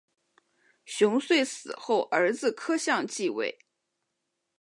熊遂死后儿子柯相继位。